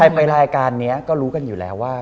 ไปรายการนี้ก็รู้กันอยู่แล้วว่า